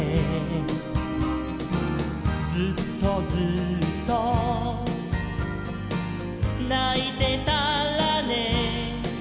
「ずっとずっとないてたらね」